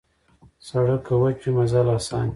سړک که وچه وي، مزل اسان وي.